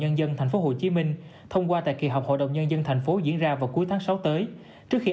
nhân dân tp hcm thông qua tại kỳ họp hội động nhân dân tp diễn ra vào cuối tháng sáu tới trước khi